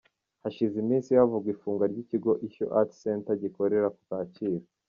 Hashize iminsi havugwa ifungwa ry’ikigo Ishyo Art Center gikorera ku Kacyiru.